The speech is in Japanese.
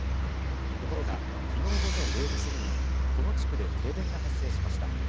ところが、昨日午前０時過ぎにこの地区で停電が発生しました。